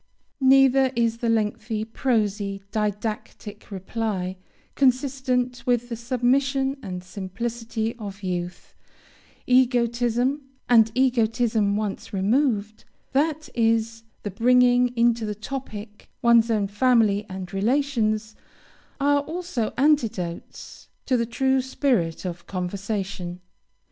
Neither is the lengthy, prosy, didactic reply, consistent with the submission and simplicity of youth; egotism, and egotism once removed, that is, the bringing into the topic one's own family and relations, are also antidotes to the true spirit of conversation.